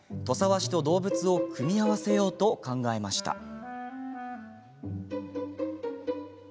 土佐和紙と動物を組み合わせようと考えました。